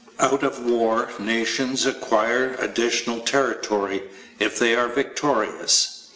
Out of war nations acquire additional territory, if they are victorious.